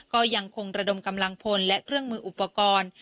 ก็ยังคงระดมกำลังพลและเครื่องมืออุปกรณ์